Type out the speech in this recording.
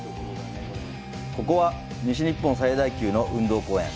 ここは西日本最大級の運動公園。